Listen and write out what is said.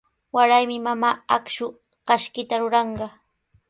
Waraymi mamaa akshu kashkita ruranqa.